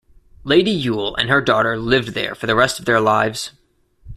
Lady Yule and her daughter lived there for the rest of their lives.